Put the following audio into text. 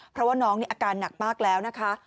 เพราะว่าน้องนี่อาการหนักมากแล้วนะคะ